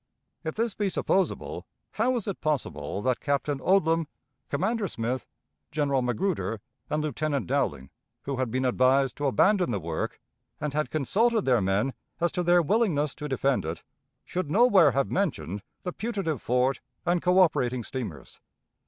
If this be supposable, how is it possible that Captain Odlum, Commander Smith, General Magruder, and Lieutenant Dowling, who had been advised to abandon the work, and had consulted their men as to their willingness to defend it, should nowhere have mentioned the putative fort and coöperating steamers?